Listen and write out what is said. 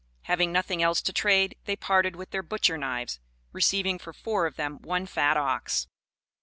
Having nothing else to trade, they parted with their butcher knives, receiving for four of them one fat ox.